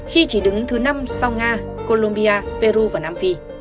khi chỉ đứng thứ năm sau nga colombia peru và nam phi